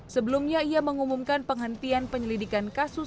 sebelumnya ia mengumumkan penghentian penyelidikan kasus